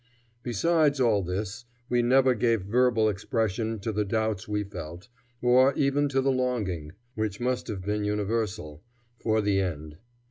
Besides all this, we never gave verbal expression to the doubts we felt, or even to the longing, which must have been universal, for the end.